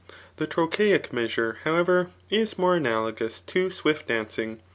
The Trochaic measure^ how ever, k more analogous to swif^ dafldng.